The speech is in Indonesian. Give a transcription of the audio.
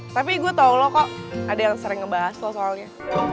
tapi gue tau lo kok ada yang sering ngebahas tuh soalnya